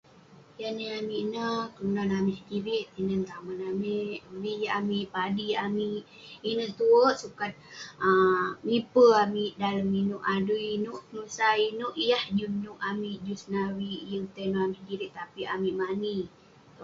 Yah keninah ineh, kelunan amik sedirik, tinen tamen amik, vik amik, padik amik. Ineh tue sukat um miper amik dalem inouk adui, inouk penusah, inouk yah juk nouk amik yeng senavik yeng tai nouk amik sedirik tapi amik mani-